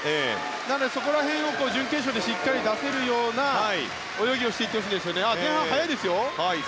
なので、そこら辺を準決勝でしっかり出せるような泳ぎをしていってほしいですが前半、速いですよ。